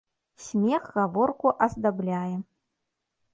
Смех гаворку аздабляе